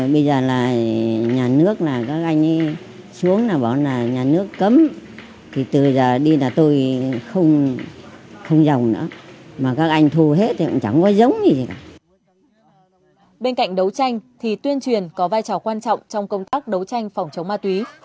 bên cạnh đấu tranh thì tuyên truyền có vai trò quan trọng trong công tác đấu tranh phòng chống ma túy